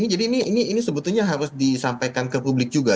jadi ini sebetulnya harus disampaikan ke publik juga